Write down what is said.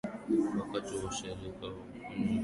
wakati wa ushirika wa kwanza kule Yerusalemu Filipo